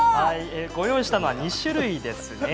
ご用意したのは２種類ですね。